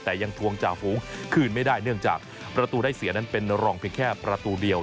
แต่ยังทวงจ่าฝูงคืนไม่ได้เนื่องจากประตูได้เสียนั้นเป็นรองเพียงแค่ประตูเดียว